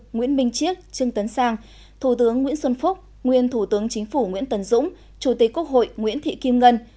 nguyễn minh chiết trương tấn sang thủ tướng nguyễn xuân phúc nguyên thủ tướng chính phủ nguyễn tân dũng chủ tịch quốc hội nguyễn thị kim ngân